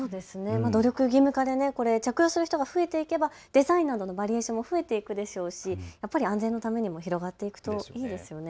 努力義務化で着用する人が増えていけばデザインなどのバリエーションも増えていくでしょうし安全のためにも広がるといいですね。